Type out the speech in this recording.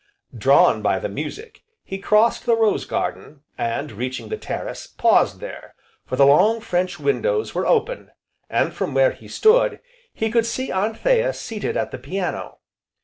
Drawn by the music, he crossed the Rose Garden, and reaching the terrace, paused there; for the long French windows were open, and, from where he stood, he could see Anthea seated at the piano.